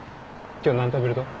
今日何食べると？